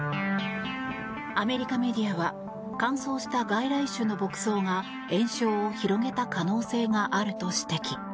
アメリカメディアは乾燥した外来種の牧草が延焼を広げた可能性があると指摘。